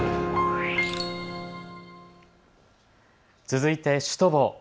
続いてシュトボー。